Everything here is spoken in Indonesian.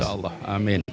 insya allah amin